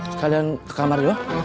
sekalian ke kamar yuk